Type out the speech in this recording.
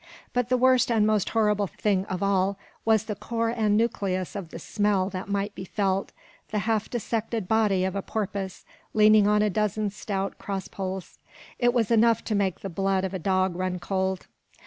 But the worst and most horrible thing of all was the core and nucleus of the smell that might be felt, the half dissected body of a porpoise, leaning on a dozen stout cross poles. It was enough to make the blood of a dog run cold.